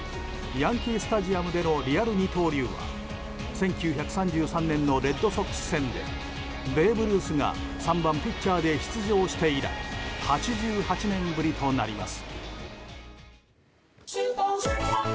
ヤンキー・スタジアムでのリアル二刀流は、１９３３年のレッドソックス戦でベーブ・ルースが３番ピッチャーで出場して以来８８年ぶりとなります。